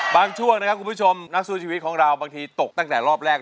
ช่วงนะครับคุณผู้ชมนักสู้ชีวิตของเราบางทีตกตั้งแต่รอบแรก